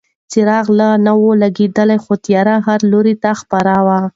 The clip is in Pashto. څراغ لا نه و لګېدلی خو تیاره هر لوري ته خپره وه.